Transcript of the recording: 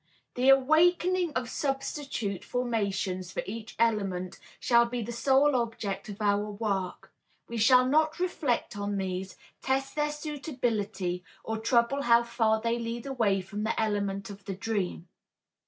The awakening of substitute formations for each element shall be the sole object of our work. We shall not reflect on these, test their suitability or trouble how far they lead away from the element of the dream.